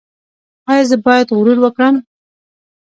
ایا زه باید غرور وکړم؟